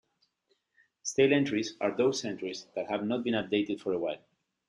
Stale entries are those entries that have not been updated for a while.